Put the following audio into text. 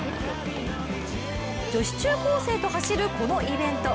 女子中高生と走るこのイベント。